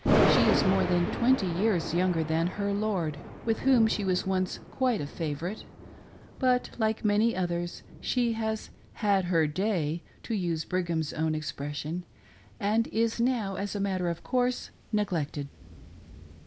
She is more than twenty years younger than her lord, with whom she was once quite a favorite, but like many others, she has "had her day" — to use Brigham's own expression — and is now, as a matter of course, neglected.